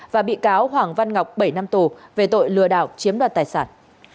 và bị cáo hoàng văn ngọc bảy năm tù về tội lừa đảo chiếm đoạt tài sản